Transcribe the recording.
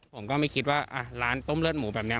ผมก็ไม่คิดว่าร้านต้มเลือดหมูแบบนี้